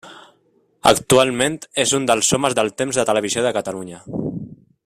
Actualment és un dels homes del temps de Televisió de Catalunya.